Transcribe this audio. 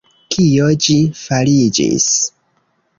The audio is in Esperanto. Kio ĝi fariĝis?